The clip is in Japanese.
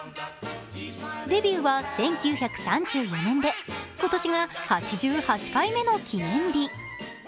デビューは１９３４年で、今年が８８回目の記念日。